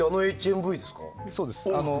そうです。